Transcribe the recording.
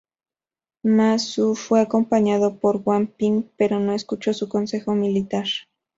Ma Su fue acompañado por Wang Ping pero no escuchó su consejo militar.